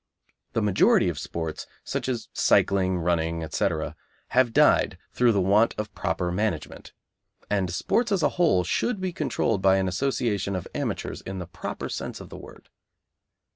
The majority of sports, such as cycling, running, etc., have died through the want of proper management, and sports as a whole should be controlled by an Association of Amateurs in the proper sense of the word.